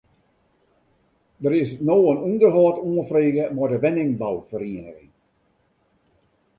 Der is no in ûnderhâld oanfrege mei de wenningbouferieniging.